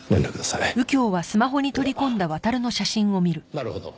なるほど。